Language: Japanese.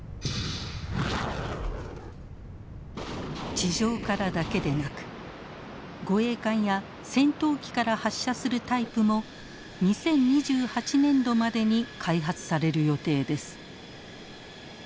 地上からだけでなく護衛艦や戦闘機から発射するタイプも２０２８年度までに開発される予定です。